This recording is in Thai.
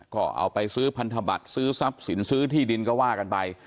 ก็เอาไปซื้อพันธบัตรซื้อที่ดินก็ว่ากันไป